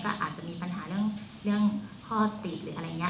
อาจจะมีปัญหาเรื่องข้อติหรืออะไรอย่างนี้